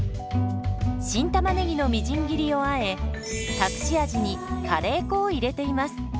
新たまねぎのみじん切りをあえ隠し味にカレー粉を入れています。